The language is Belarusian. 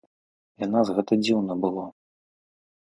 Для нас гэта дзіўна было.